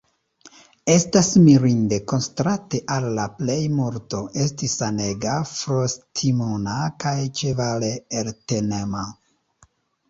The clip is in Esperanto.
Estas mirinde, kontraste al la plejmulto, esti sanega, frost-imuna kaj ĉevale eltenema.